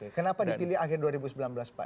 kenapa dipilih akhir dua ribu sembilan belas pak